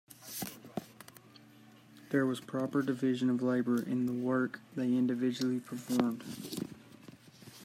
There was proper division of labor in the work they individually performed.